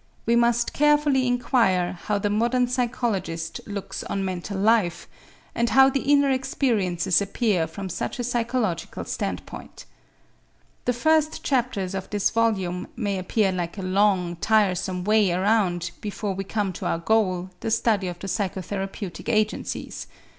We must carefully inquire how the modern psychologist looks on mental life and how the inner experiences appear from such a psychological standpoint. The first chapters of this volume may appear like a long, tiresome way around before we come to our goal, the study of the psychotherapeutic agencies.